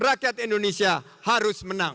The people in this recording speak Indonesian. rakyat indonesia harus menang